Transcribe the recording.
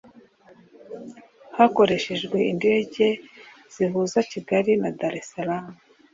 hakoreshejwe indege zihuza kigali na dar es salam